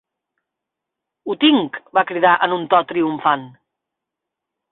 "Ho tinc!", va cridar en un to triomfant.